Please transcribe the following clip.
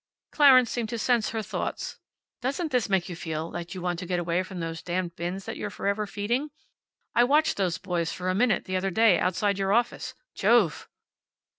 Clarence seemed to sense her thoughts. "Doesn't this make you feel you want to get away from those damned bins that you're forever feeding? I watched those boys for a minute, the other day, outside your office. Jove!"